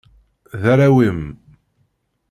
D arraw-im.